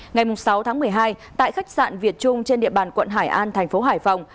ngày sáu tháng một mươi hai tại khách sạn việt trung trên địa bàn quận hải an thành phố hải phòng